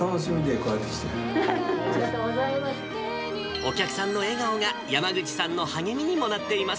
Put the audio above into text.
お客さんの笑顔が、山口さんの励みにもなっています。